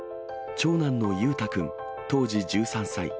長男の優太君、当時１３歳。